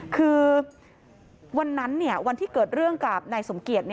คือวันนั้นวันที่เกิดเรื่องกับนายสมเกียจ